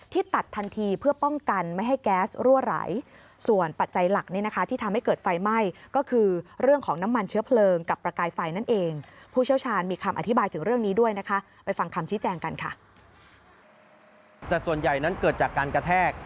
แต่ส่วนใหญ่นั้นเกิดจากการกระแทก